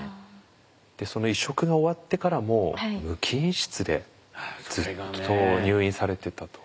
移植が終わってからも無菌室でずっと入院されてたと。